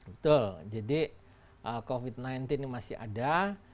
betul jadi covid sembilan belas ini masih ada